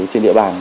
trên địa bàn